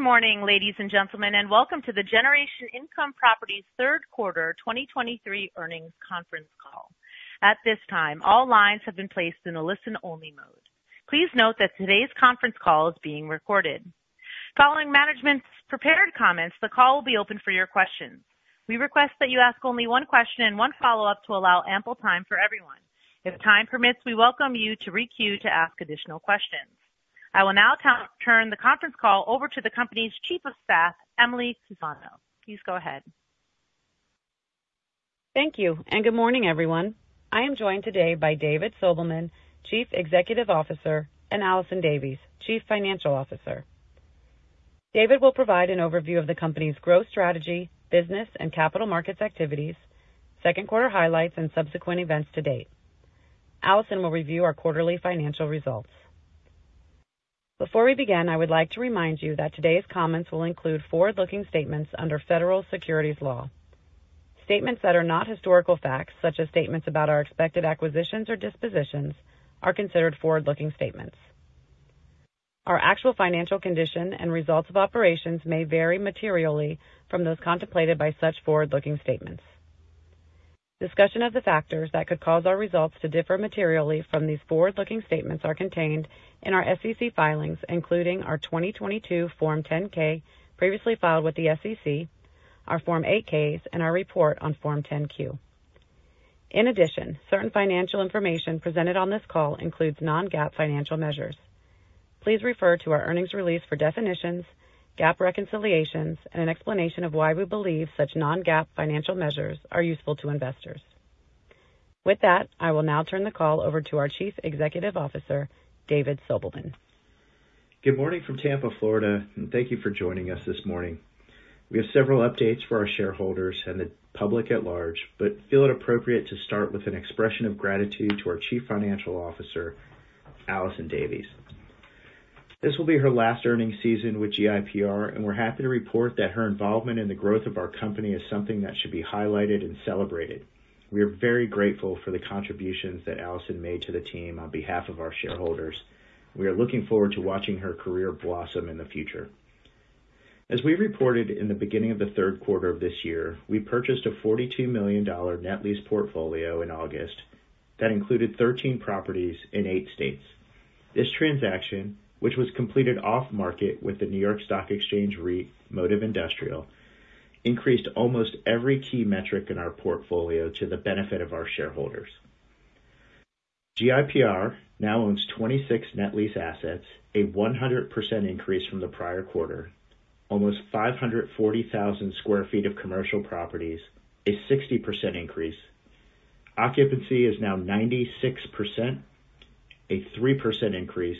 Good morning, ladies and gentlemen, and welcome to the Generation Income Properties third quarter 2023 earnings conference call. At this time, all lines have been placed in a listen-only mode. Please note that today's conference call is being recorded. Following management's prepared comments, the call will be open for your questions. We request that you ask only one question and one follow-up to allow ample time for everyone. If time permits, we welcome you to re-queue to ask additional questions. I will now turn the conference call over to the company's Chief of Staff, Emily Cusmano. Please go ahead. Thank you. Good morning, everyone. I am joined today by David Sobelman, Chief Executive Officer, and Allison Davies, Chief Financial Officer. David will provide an overview of the company's growth strategy, business, and capital markets activities, second quarter highlights, and subsequent events to date. Allison will review our quarterly financial results. Before we begin, I would like to remind you that today's comments will include forward-looking statements under federal securities law. Statements that are not historical facts, such as statements about our expected acquisitions or dispositions, are considered forward-looking statements. Our actual financial condition and results of operations may vary materially from those contemplated by such forward-looking statements. Discussion of the factors that could cause our results to differ materially from these forward-looking statements are contained in our SEC filings, including our 2022 Form 10-K, previously filed with the SEC, our Form 8-Ks, and our report on Form 10-Q. In addition, certain financial information presented on this call includes non-GAAP financial measures. Please refer to our earnings release for definitions, GAAP reconciliations, and an explanation of why we believe such non-GAAP financial measures are useful to investors. With that, I will now turn the call over to our Chief Executive Officer, David Sobelman. Good morning from Tampa, Florida. Thank you for joining us this morning. We have several updates for our shareholders and the public at large. We feel it appropriate to start with an expression of gratitude to our Chief Financial Officer, Allison Davies. This will be her last earnings season with GIPR. We're happy to report that her involvement in the growth of our company is something that should be highlighted and celebrated. We are very grateful for the contributions that Allison made to the team on behalf of our shareholders. We are looking forward to watching her career blossom in the future. As we reported in the beginning of the third quarter of this year, we purchased a $42 million net lease portfolio in August that included 13 properties in eight states. This transaction, which was completed off-market with the New York Stock Exchange REIT Modiv Industrial, increased almost every key metric in our portfolio to the benefit of our shareholders. GIPR now owns 26 net lease assets, a 100% increase from the prior quarter. Almost 540,000 sq ft of commercial properties, a 60% increase. Occupancy is now 96%, a 3% increase.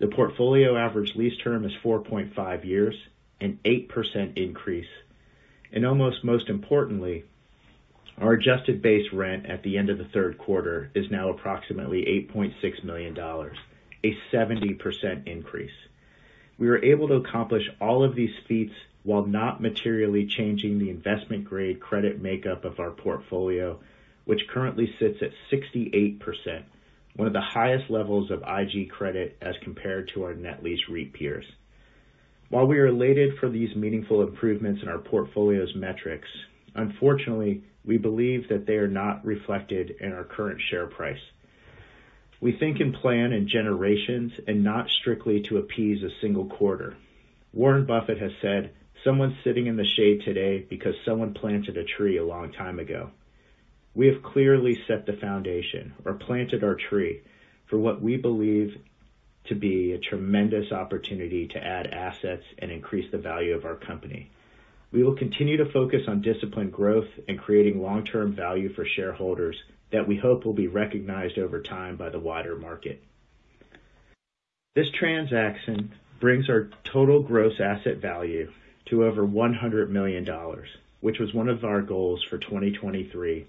The portfolio average lease term is 4.5 years, an 8% increase. Almost most importantly, our adjusted base rent at the end of the third quarter is now approximately $8.6 million, a 70% increase. We were able to accomplish all of these feats while not materially changing the investment-grade credit makeup of our portfolio, which currently sits at 68%, one of the highest levels of IG credit as compared to our net lease REIT peers. While we are elated for these meaningful improvements in our portfolio's metrics, unfortunately, we believe that they are not reflected in our current share price. We think and plan in generations and not strictly to appease a single quarter. Warren Buffett has said, "Someone's sitting in the shade today because someone planted a tree a long time ago." We have clearly set the foundation, or planted our tree, for what we believe to be a tremendous opportunity to add assets and increase the value of our company. We will continue to focus on disciplined growth and creating long-term value for shareholders that we hope will be recognized over time by the wider market. This transaction brings our total gross asset value to over $100 million, which was one of our goals for 2023,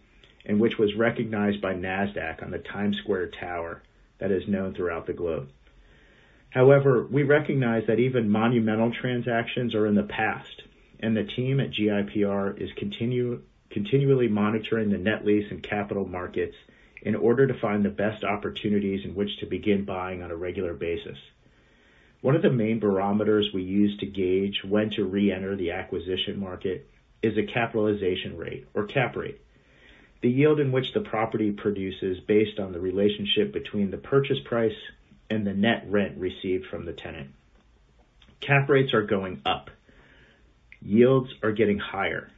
and which was recognized by Nasdaq on the Times Square Tower that is known throughout the globe. We recognize that even monumental transactions are in the past, the team at GIPR is continually monitoring the net lease and capital markets in order to find the best opportunities in which to begin buying on a regular basis. One of the main barometers we use to gauge when to reenter the acquisition market is a capitalization rate, or cap rate. The yield in which the property produces based on the relationship between the purchase price and the net rent received from the tenant. Cap rates are going up. Yields are getting higher,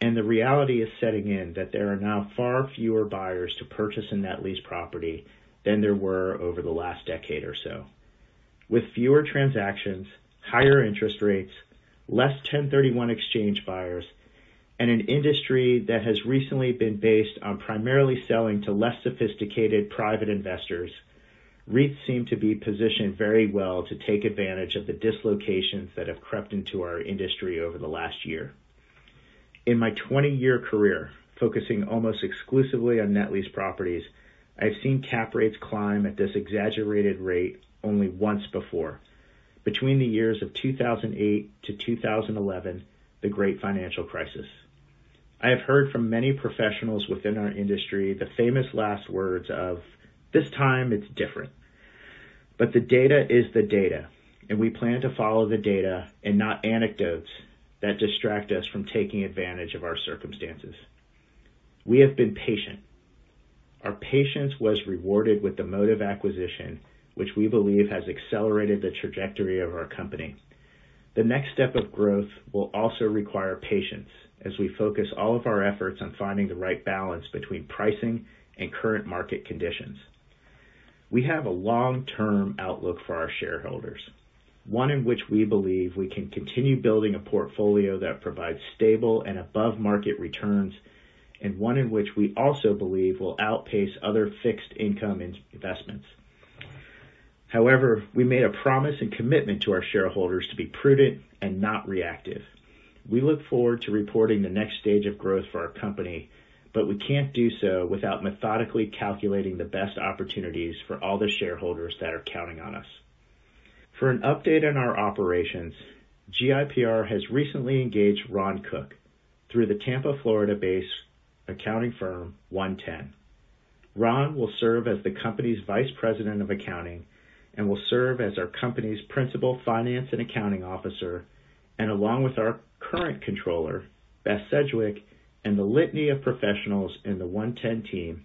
the reality is setting in that there are now far fewer buyers to purchase a net lease property than there were over the last decade or so. With fewer transactions, higher interest rates, less 1031 exchange buyers, an industry that has recently been based on primarily selling to less sophisticated private investors, REITs seem to be positioned very well to take advantage of the dislocations that have crept into our industry over the last year. In my 20-year career, focusing almost exclusively on net lease properties, I've seen cap rates climb at this exaggerated rate only once before, between the years of 2008 to 2011, the great financial crisis. I have heard from many professionals within our industry the famous last words of, "This time it's different." The data is the data, we plan to follow the data and not anecdotes that distract us from taking advantage of our circumstances. We have been patient. Our patience was rewarded with the Modiv acquisition, which we believe has accelerated the trajectory of our company. The next step of growth will also require patience as we focus all of our efforts on finding the right balance between pricing and current market conditions. We have a long-term outlook for our shareholders, one in which we believe we can continue building a portfolio that provides stable and above-market returns, and one in which we also believe will outpace other fixed income investments. We made a promise and commitment to our shareholders to be prudent and not reactive. We look forward to reporting the next stage of growth for our company, we can't do so without methodically calculating the best opportunities for all the shareholders that are counting on us. For an update on our operations, GIPR has recently engaged Ron Cook through the Tampa, Florida-based accounting firm ONE10. Ron will serve as the company's Vice President of Accounting and will serve as our company's Principal Finance and Accounting Officer. Along with our current Controller, Beth Sedgwick, and the litany of professionals in the ONE10 team,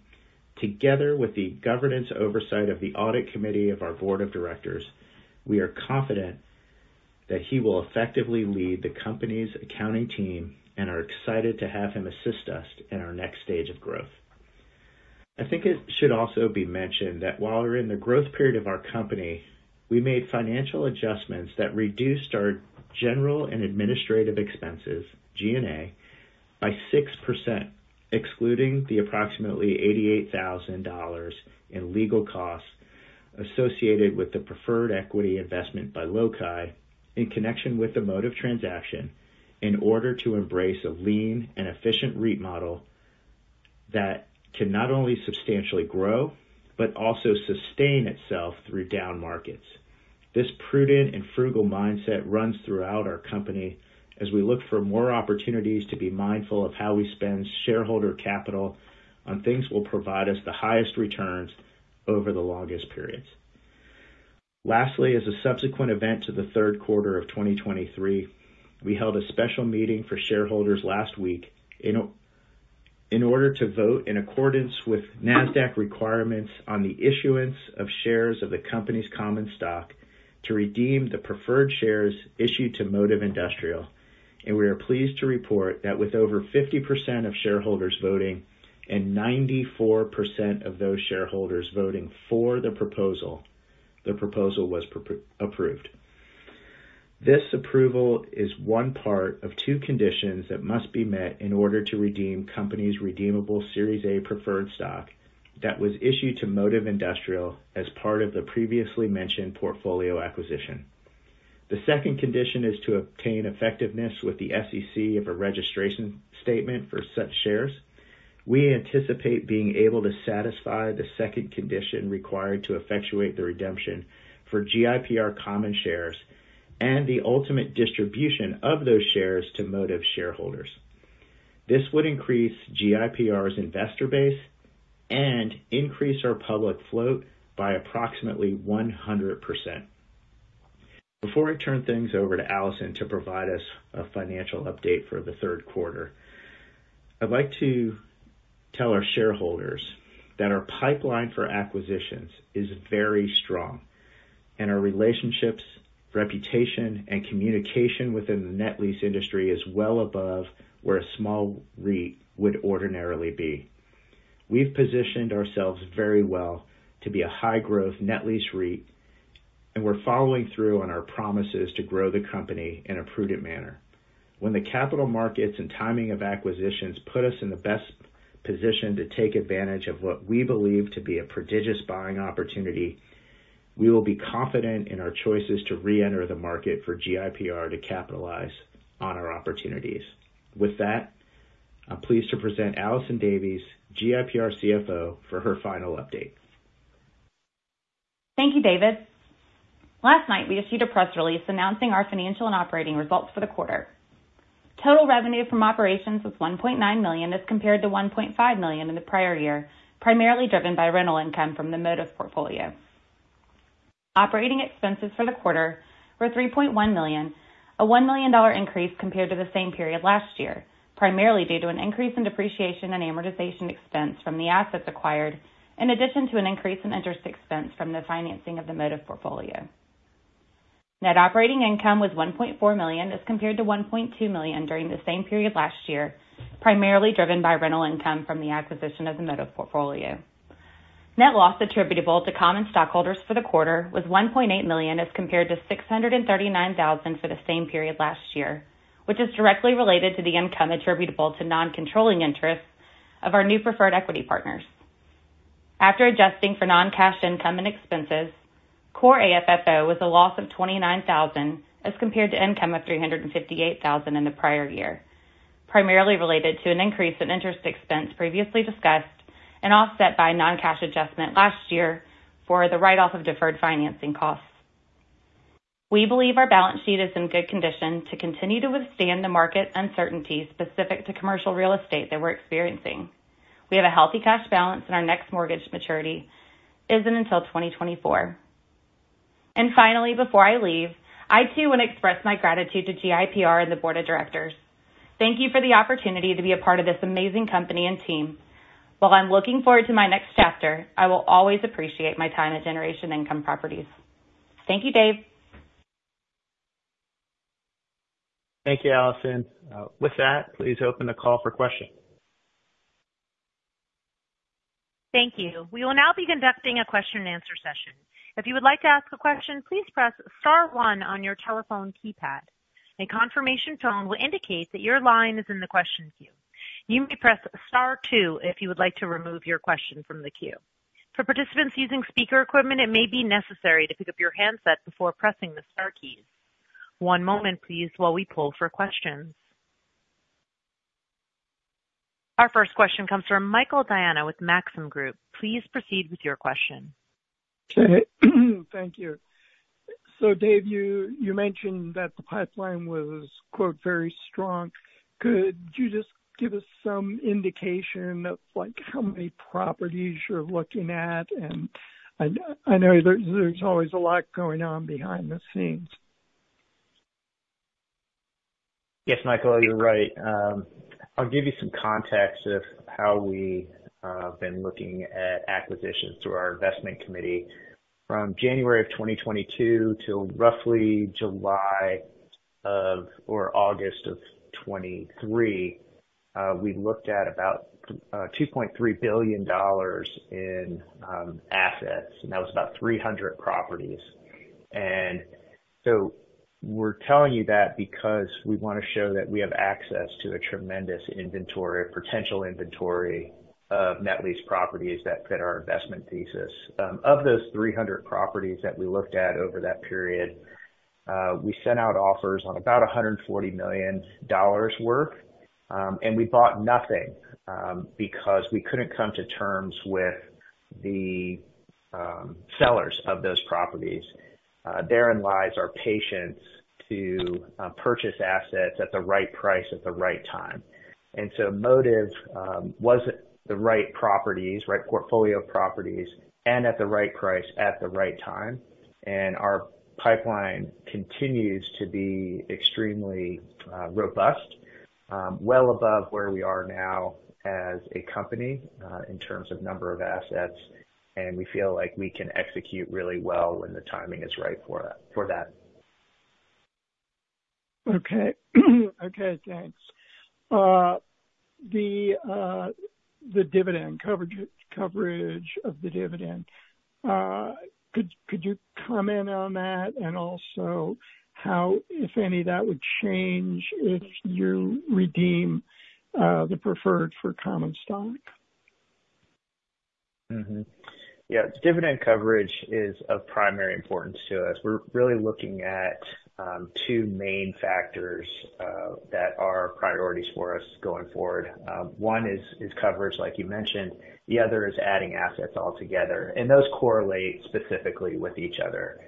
together with the governance oversight of the Audit Committee of our Board of Directors, we are confident that he will effectively lead the company's accounting team and are excited to have him assist us in our next stage of growth. I think it should also be mentioned that while we're in the growth period of our company, we made financial adjustments that reduced our general and administrative expenses, G&A, by 6%, excluding the approximately $88,000 in legal costs associated with the preferred equity investment by Loci in connection with the Modiv transaction in order to embrace a lean and efficient REIT model that can not only substantially grow, but also sustain itself through down markets. This prudent and frugal mindset runs throughout our company as we look for more opportunities to be mindful of how we spend shareholder capital on things that will provide us the highest returns over the longest periods. Lastly, as a subsequent event to the third quarter of 2023, we held a special meeting for shareholders last week in order to vote in accordance with Nasdaq requirements on the issuance of shares of the company's common stock to redeem the preferred shares issued to Modiv Industrial. We are pleased to report that with over 50% of shareholders voting and 94% of those shareholders voting for the proposal, the proposal was approved. This approval is one part of two conditions that must be met in order to redeem company's redeemable Series A preferred stock that was issued to Modiv Industrial as part of the previously mentioned portfolio acquisition. The second condition is to obtain effectiveness with the SEC of a registration statement for such shares. We anticipate being able to satisfy the second condition required to effectuate the redemption for GIPR common shares and the ultimate distribution of those shares to Modiv Industrial shareholders. This would increase GIPR's investor base and increase our public float by approximately 100%. Before I turn things over to Allison to provide us a financial update for the third quarter, I'd like to tell our shareholders that our pipeline for acquisitions is very strong, and our relationships, reputation, and communication within the net lease industry is well above where a small REIT would ordinarily be. We've positioned ourselves very well to be a high-growth net lease REIT, and we're following through on our promises to grow the company in a prudent manner. When the capital markets and timing of acquisitions put us in the best position to take advantage of what we believe to be a prodigious buying opportunity, we will be confident in our choices to reenter the market for GIPR to capitalize on our opportunities. With that, I'm pleased to present Allison Davies, GIPR CFO, for her final update. Thank you, David. Last night, we issued a press release announcing our financial and operating results for the quarter. Total revenue from operations was $1.9 million as compared to $1.5 million in the prior year, primarily driven by rental income from the Modiv Industrial portfolio. Operating expenses for the quarter were $3.1 million, a $1 million increase compared to the same period last year, primarily due to an increase in depreciation and amortization expense from the assets acquired, in addition to an increase in interest expense from the financing of the Modiv Industrial portfolio. Net operating income was $1.4 million as compared to $1.2 million during the same period last year, primarily driven by rental income from the acquisition of the Modiv Industrial portfolio. Net loss attributable to common stockholders for the quarter was $1.8 million as compared to $639,000 for the same period last year, which is directly related to the income attributable to non-controlling interests of our new preferred equity partners. After adjusting for non-cash income and expenses, core AFFO was a loss of $29,000 as compared to income of $358,000 in the prior year, primarily related to an increase in interest expense previously discussed and offset by a non-cash adjustment last year for the write-off of deferred financing costs. We believe our balance sheet is in good condition to continue to withstand the market uncertainty specific to commercial real estate that we're experiencing. We have a healthy cash balance, and our next mortgage maturity isn't until 2024. Finally, before I leave, I too want to express my gratitude to GIPR and the board of directors. Thank you for the opportunity to be a part of this amazing company and team. While I'm looking forward to my next chapter, I will always appreciate my time at Generation Income Properties. Thank you, Dave. Thank you, Allison. With that, please open the call for questions. Thank you. We will now be conducting a question and answer session. If you would like to ask a question, please press star one on your telephone keypad. A confirmation tone will indicate that your line is in the question queue. You may press star two if you would like to remove your question from the queue. For participants using speaker equipment, it may be necessary to pick up your handset before pressing the star keys. One moment please while we pull for questions. Our first question comes from Michael Diana with Maxim Group. Please proceed with your question. Okay. Thank you. Dave, you mentioned that the pipeline was, quote, very strong. Could you just give us some indication of how many properties you're looking at? I know there's always a lot going on behind the scenes. Yes, Michael, you're right. I'll give you some context of how we have been looking at acquisitions through our investment committee. From January of 2022 till roughly July or August of 2023, we looked at about $2.3 billion in assets, and that was about 300 properties. We're telling you that because we want to show that we have access to a tremendous inventory, a potential inventory of net lease properties that fit our investment thesis. Of those 300 properties that we looked at over that period, we sent out offers on about $140 million worth, and we bought nothing because we couldn't come to terms with the sellers of those properties. Therein lies our patience to purchase assets at the right price at the right time. Modiv wasn't the right properties, right portfolio properties, and at the right price at the right time. Our pipeline continues to be extremely robust. Well above where we are now as a company in terms of number of assets, and we feel like we can execute really well when the timing is right for that. Okay. Okay, thanks. The dividend coverage of the dividend. Could you comment on that? Also how, if any, that would change if you redeem the preferred for common stock? Yeah. Dividend coverage is of primary importance to us. We're really looking at two main factors that are priorities for us going forward. One is coverage, like you mentioned. The other is adding assets altogether, those correlate specifically with each other.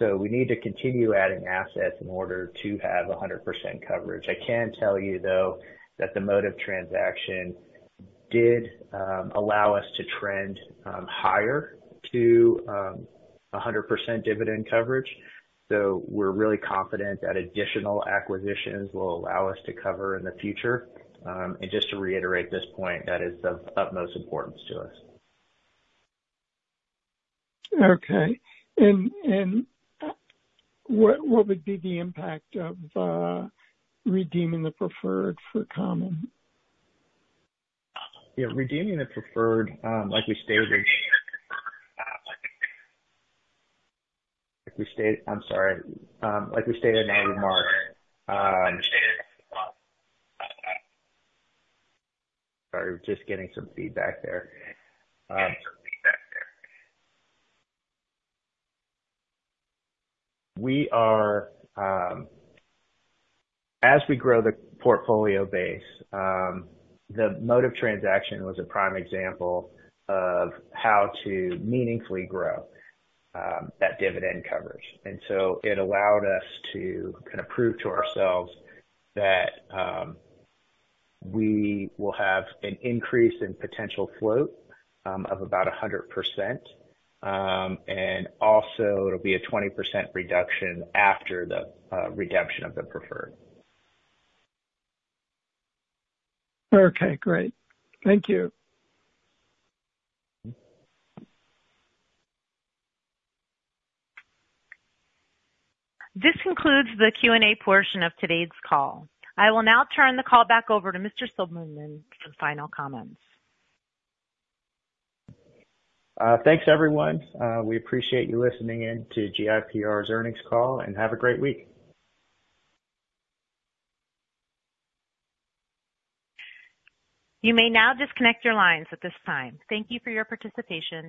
We need to continue adding assets in order to have 100% coverage. I can tell you, though, that the Modiv transaction did allow us to trend higher to 100% dividend coverage. We're really confident that additional acquisitions will allow us to cover in the future. Just to reiterate this point, that is of utmost importance to us. Okay. What would be the impact of redeeming the preferred for common? Yeah, redeeming the preferred, like we stated in our remarks. As we grow the portfolio base, the Modiv transaction was a prime example of how to meaningfully grow that dividend coverage. It allowed us to kind of prove to ourselves that we will have an increase in potential float of about 100%, and also it'll be a 20% reduction after the redemption of the preferred. Okay, great. Thank you. This concludes the Q&A portion of today's call. I will now turn the call back over to Mr. Sobelman for final comments. Thanks, everyone. We appreciate you listening in to GIPR's earnings call, and have a great week. You may now disconnect your lines at this time. Thank you for your participation.